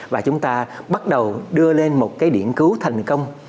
và chúng ta bắt đầu đưa lên một cái điện cứu thành công